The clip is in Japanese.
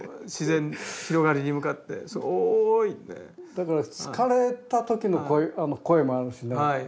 だから疲れた時の声もあるしね